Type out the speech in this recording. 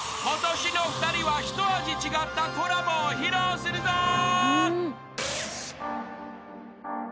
［ことしの２人はひと味違ったコラボを披露するぞ］